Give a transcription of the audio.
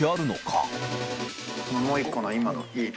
もう１個の今の家に。